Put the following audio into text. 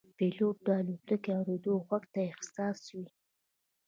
پیلوټ د الوتکې د اورېدو غږ ته حساس وي.